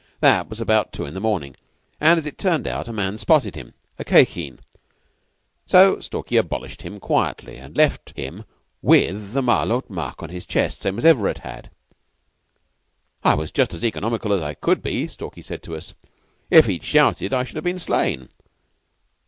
That was about two in the morning, and, as it turned out, a man spotted him a Khye Kheen. So Stalky abolished him quietly, and left him with the Malôt mark on his chest, same as Everett had. "'I was just as economical as I could be,' Stalky said to us. 'If he'd shouted I should have been slain.